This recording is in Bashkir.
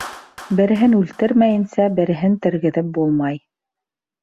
Береһен үлтермәйенсә, береһен тергеҙеп булмай.